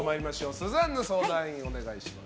スザンヌ相談員、お願いします。